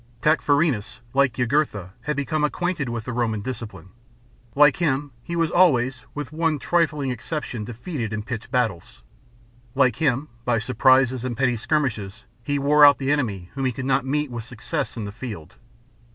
Tacfarinas, like Jugurtha, had become acquainted with the Roman discipline ; like him, he was always (with one trifling exception) defeated in pitched battles ; like him, by surprises and petty skirmishes he wore out the enemy whom he could Il8 INTRODUCTION TO TPIE JUGURTHINE WAR. not meet with success in the field.